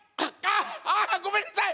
あぁごめんなさい！